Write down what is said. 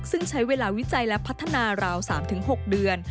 ซึ่งใช้เวลาวิจัยและพัฒนาราว๓๖เดือน